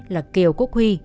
là kiều quốc huy